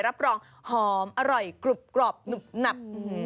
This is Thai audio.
รับรองหอมอร่อยกรุบกรอบหนุบหนับ